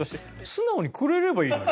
素直にくれればいいのに。